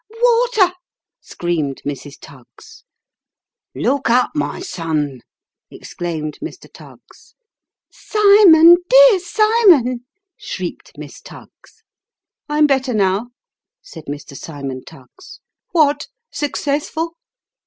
" Water !" screamed Mrs, Tuggs. " Look up, my son," exclaimed Mr. Tuggs. " Simon ! dear Simon !" shrieked Miss Tuggs. " I'm better now," said Mr. Simon Tuggs. " What ? successful